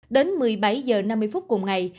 đến một mươi bảy h năm mươi phút cùng ngày